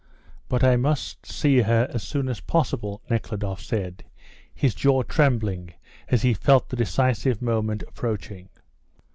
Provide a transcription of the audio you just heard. "But I must see her as soon as possible," Nekhludoff said, his jaw trembling as he felt the decisive moment approaching.